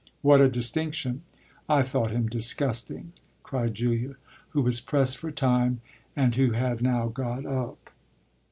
"What a distinction! I thought him disgusting!" cried Julia, who was pressed for time and who had now got up.